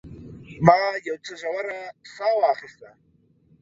ما یو څه ژوره ساه واخیسته.